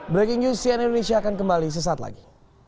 breaking news cnn indonesia akan kembali sesaat lagi